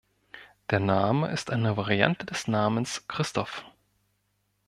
Der Name ist eine Variante des Namens Christoph.